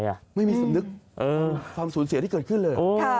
ไม่มีสำนึกความสูญเสียที่เกิดขึ้นเลย